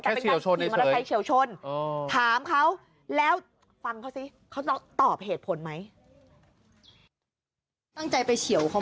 แค่เป็นการขี้มันใจเฉียวชน